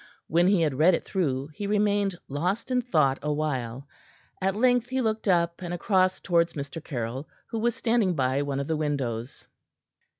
When he had read it through, he remained lost in thought a while. At length he looked up and across towards Mr. Caryll, who was standing by one of the windows.